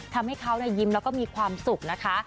ทำให้เขายิ้มแล้วก็มีความสุขนะคะ